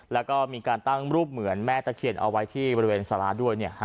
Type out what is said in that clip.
แล้วก็มีการตั้งรูปเหมือนแม่ตะเคียนเอาไว้ที่บริเวณสาราด้วย